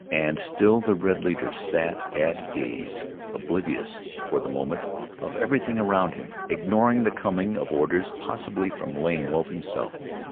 "] And still the red leader sat at gaze, oblivious for the moment of everything around him, ignoring the coming of orders possibly from Lame Wolf himself.